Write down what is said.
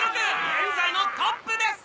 現在のトップです！